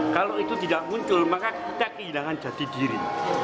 kalau itu tidak muncul maka kita kehilangan jati diri